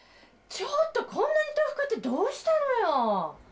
ちょっとこんなに豆腐買ってどうしたのよ？